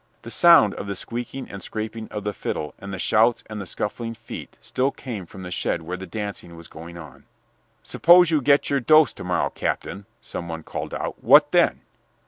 The sound of the squeaking and scraping of the fiddle and the shouts and the scuffling feet still came from the shed where the dancing was going on. "Suppose you get your dose to morrow, Captain," some one called out, "what then?"